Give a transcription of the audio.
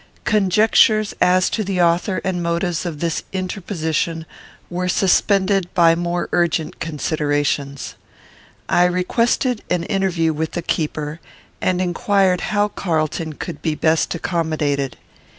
Conjectures as to the author and motives of this inter position were suspended by more urgent considerations. I requested an interview with the keeper, and inquired how Carlton could be best accommodated.